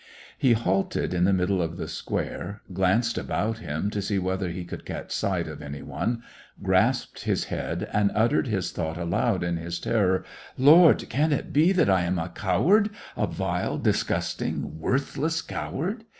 He halted in the middle of the square, glanced about him, to see whether he could catch sight of any one, grasped his head, and uttered his thought aloud in his terror :—" Lord ! Can it be that I am a coward, a vile, disgusting, worthless cow ard